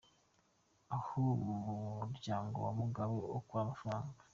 Aho Umuryango wa Mugabe ukura amafaranga